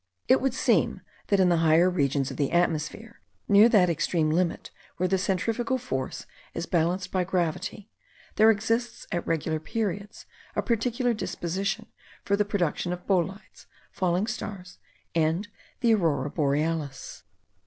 It would seem, that in the higher regions of the atmosphere, near that extreme limit where the centrifugal force is balanced by gravity, there exists at regular periods a particular disposition for the production of bolides, falling stars, and the Aurora Borealis.